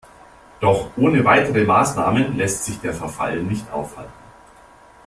Doch ohne weitere Maßnahmen lässt sich der Verfall nicht aufhalten.